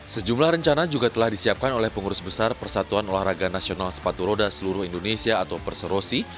sejumlah rencana juga telah disiapkan oleh pengurus besar persatuan olahraga nasional sepatu roda seluruh indonesia atau perserosi